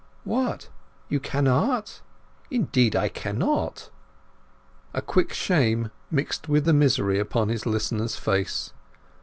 "What—you cannot?" "Indeed I cannot." A quick shame mixed with the misery upon his listener's face.